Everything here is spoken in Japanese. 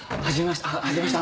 初めまして。